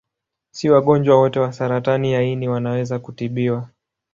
Si wagonjwa wote wa saratani ya ini wanaweza kutibiwa.